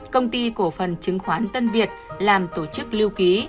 công ty cổ phần chứng khoán tân việt làm tổ chức lưu ký